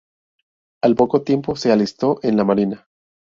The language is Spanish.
Al poco tiempo, se alistó en la marina.